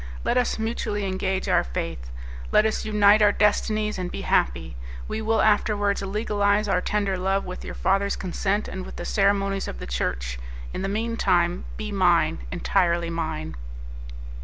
Let us mutually engage our faith, let us unite our destinies and be happy. We will afterwards legalize our tender love with your father's consent and with the ceremonies of the Church; in the mean time be mine, entirely mine."